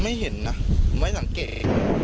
ไม่เห็นนะไม่สังเกต